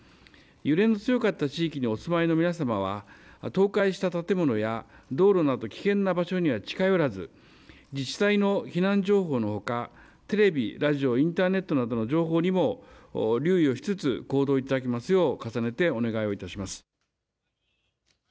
揺れの強かった地域にお住まいの皆様は倒壊した建物や道路など危険な場所には近寄らず自治体の避難情報のほかテレビ、ラジオ、インターネットなどの情報にも留意をしつつ行動をいただきますよう重ねてお願いをいたします。